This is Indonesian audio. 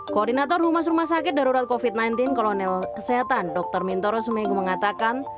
koordinator humas rumah sakit darurat covid sembilan belas kolonel kesehatan dr mintoro sumegu mengatakan